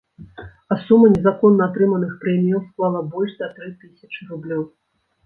А сума незаконна атрыманых прэміяў склала больш за тры тысячы рублёў.